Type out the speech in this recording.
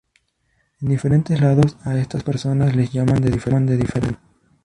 En diferentes lados a estas personas les llaman de diferente manera.